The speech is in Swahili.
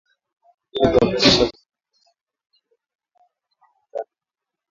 ili kuhakikisha kunakuwepo Amani kwenye mkutano huo